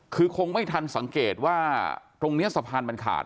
คือคงไม่ทันสังเกตว่าตรงนี้สะพานมันขาด